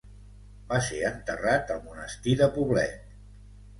Va ser enterrat al monestir de Poblet.